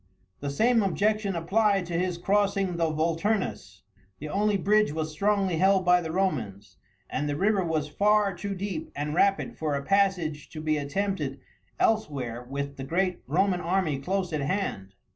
The same objection applied to his crossing the Vulturnus. The only bridge was strongly held by the Romans, and the river was far too deep and rapid for a passage to be attempted elsewhere with the great Roman army close at hand.